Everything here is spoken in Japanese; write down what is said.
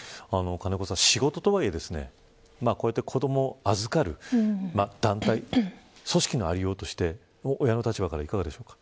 金子さん、仕事とはいえ子どもを預かる団体組織の在りようとして親の立場からいかがでしょうか。